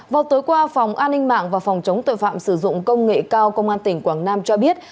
vào tối qua phòng an ninh mạng và phòng chống tội phạm sử dụng công nghệ cao công an tỉnh quảng nam cho biết